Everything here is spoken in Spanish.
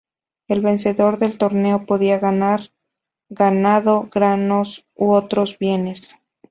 El vencedor del torneo podía ganar ganado, granos u otros bienes.